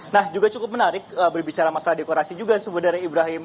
nah juga cukup menarik berbicara masalah dekorasi juga sebenarnya ibrahim